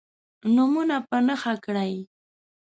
نومونه په نښه کړئ.